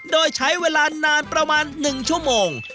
โดยใช้เวลานานประมาณ๑ชั่วโมง